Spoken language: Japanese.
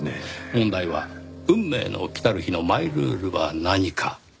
問題は『運命の来たる日』のマイルールは何か。